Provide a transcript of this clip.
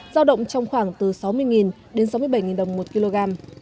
giao động trong khoảng từ sáu mươi đến sáu mươi bảy đồng một kg